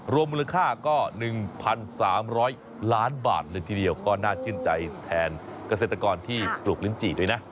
รวมมูลค่าก็๑๓๐๐ล้านบาทเลยทีเดียวก็น่าชื่นใจแทนเกษตรกรที่ปลูกลิ้นจี่ด้วยนะ